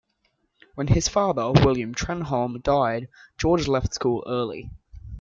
When his father, William Trenholm, died, George left school early.